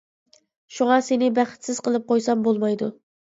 شۇڭا سېنى بەختسىز قىلىپ قويسام بولمايدۇ.